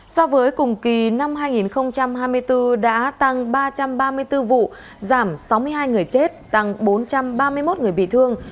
so với cùng kỳ năm hai nghìn hai mươi bốn đã tăng ba trăm ba mươi bốn vụ giảm sáu mươi hai người chết tăng bốn trăm ba mươi một người bị thương